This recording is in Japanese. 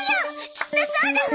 きっとそうだわ！